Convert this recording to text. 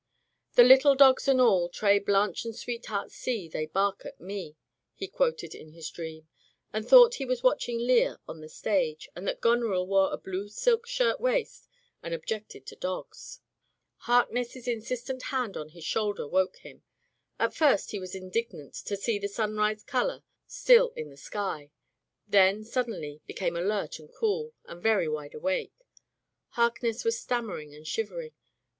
"The little dogs and all, Tray, Blanch and Sweetheart, see, they bark at me," he quoted in his dream, and thought he was watching Lear on the stage, and that Goneril wore a blue silk shirt waist, and ob jected to dogs. Harkness's insistent hand oh his shoul der woke him. At first he was indignant to see the sunrise color still in the sky, then suddenly became alert and cool, and very wide awake. Harkness was stammering and shivering.